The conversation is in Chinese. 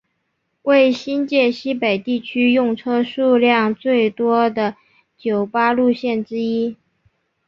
为新界西北地区用车数量最多的九巴路线之一。